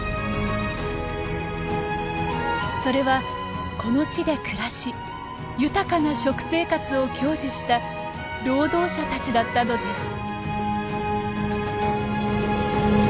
それはこの地で暮らし豊かな食生活を享受した労働者たちだったのです。